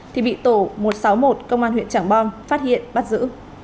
thì bị tổ một trăm sáu mươi một công an huyện trảng bom phát hiện bắt giữ